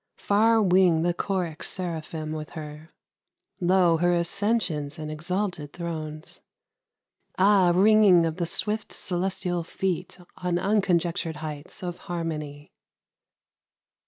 Far wing the choric seraphim with her. 94 MUSIC. Lo! her ascensions and exalted thrones! Ah, ringing of the swift celestial feet On unconjectured heights of harmony!